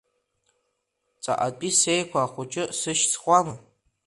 Ҵаҟатәи сеиқәа хәыҷы сышьсхуама?